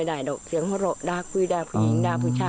เอาอันนี้คุณผู้ชม